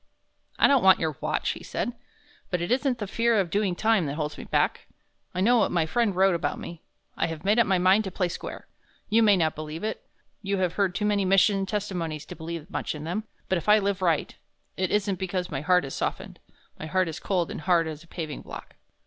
"I don't want your watch," he said, "but it isn't the fear of doing time that holds me back. I know what my friend wrote about me. I have made up my mind to play square. You may not believe it. You have heard too many mission testimonies to believe much in them. But if I live right it isn't because my heart is softened, my heart is cold and hard as a paving block."